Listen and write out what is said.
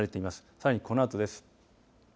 さらにこのあとです。